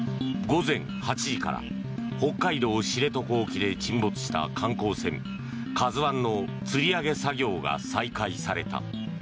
午前８時から北海道・知床沖で沈没した観光船「ＫＡＺＵ１」のつり上げ作業が再開された。